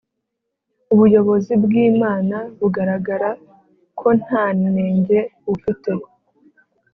. Ubuyobozi bw’Imana buzagaragara ko nta nenge bufite